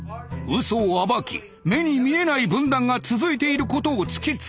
嘘を暴き目に見えない分断が続いていることを突きつける。